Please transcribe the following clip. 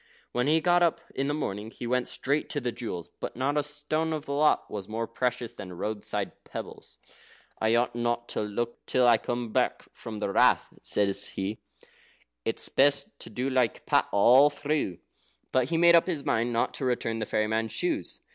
When he got up in the morning, he went straight to the jewels. But not a stone of the lot was more precious than roadside pebbles. "I ought not to look till I come from the Rath," said he. "It's best to do like Pat all through." But he made up his mind not to return the fairy man's shoes.